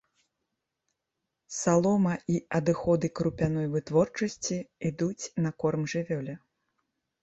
Салома і адыходы крупяной вытворчасці ідуць на корм жывёле.